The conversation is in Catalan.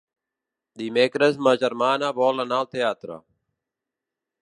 Dimecres ma germana vol anar al teatre.